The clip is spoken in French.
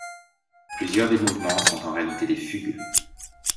Plusieurs des mouvements sont en réalité des fugues.